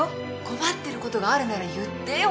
困ってることがあるなら言ってよ。